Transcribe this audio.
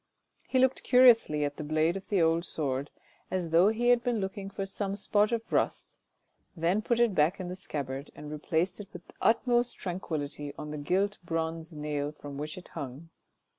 He looked curiously at the blade of the old sword as though he had been looking for some spot of rust, then put it back in the scabbard and replaced it with the utmost tranquillity on the gilt bronze nail from which it hung.